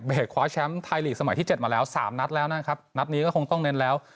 คว้าแชมป์ไทยลีกสมัยที่เจ็ดมาแล้วสามนัดแล้วนะครับนัดนี้ก็คงต้องเน้นแล้ว